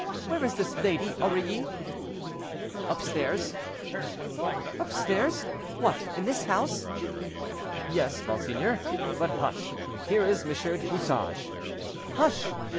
Where is this lady, Aurilly?"—"Upstairs." "Upstairs! what, in this house?" "Yes, monseigneur; but hush! here is M. du Bouchage." "Hush!"